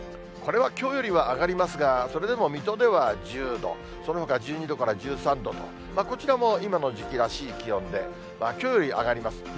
これはきょうよりは上がりますが、それでも水戸では１０度、そのほか１２度から１３度と、こちらも今の時期らしい気温で、きょうより上がります。